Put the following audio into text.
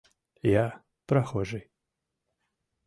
Я — прохожий...